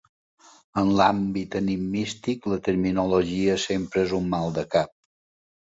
En l'àmbit enigmístic la terminologia sempre és un maldecap.